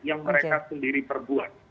yang mereka sendiri perbuat